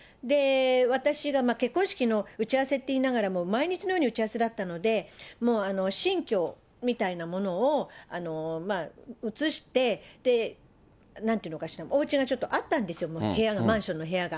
私が結婚式の打ち合わせっていいながらも、毎日のように打ち合わせだったので、もう新居みたいなものを移して、なんていうのかしら、おうちがちょっとあったんですよ、部屋の、マンションの部屋が。